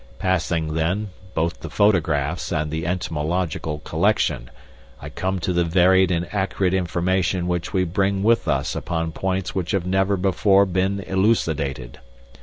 Passing, then, both the photographs and the entomological collection, I come to the varied and accurate information which we bring with us upon points which have never before been elucidated.